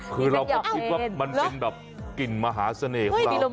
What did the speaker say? คือเราก็คิดว่ามันเป็นแบบกลิ่นมหาเสน่ห์ของเรา